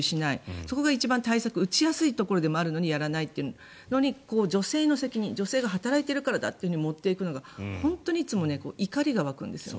そこが一番対策打ちやすいところでもあるのにやらないというので女性の責任女性が働いているからだって持っていくのが本当にいつも怒りが湧くんですね。